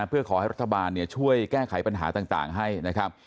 เพื่อขอให้รัฐบาลช่วยแก้ไขปัญหาต่างให้นะครับ